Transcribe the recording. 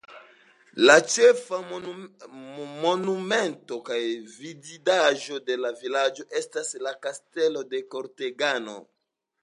La ĉefa monumento kaj vidindaĵo de la vilaĝo estas la Kastelo de Kortegano.